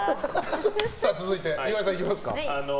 続いて、岩井さん行きますか。